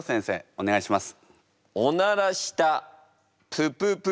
お願いします！